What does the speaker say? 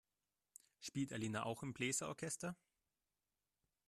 Spielt Alina auch im Bläser-Orchester?